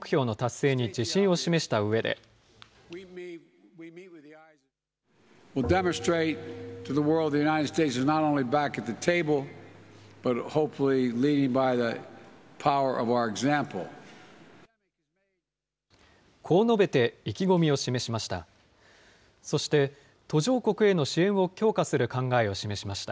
こう述べて意気込みを示しました。